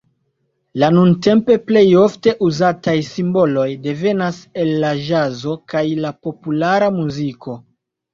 La nuntempe plejofte uzataj simboloj devenas el la ĵazo kaj la populara muziko.